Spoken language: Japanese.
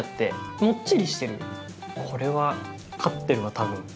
これは勝ってるわ多分。